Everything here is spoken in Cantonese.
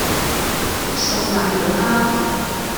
熟瀨尿蝦